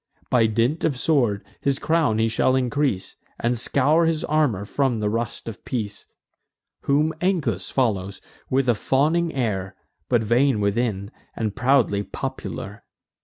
By dint of sword his crown he shall increase, And scour his armour from the rust of peace. Whom Ancus follows, with a fawning air, But vain within, and proudly popular.